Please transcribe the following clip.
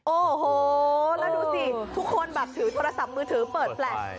โอ้โหแล้วดูสิทุกคนแบบถือโทรศัพท์มือถือเปิดแปลก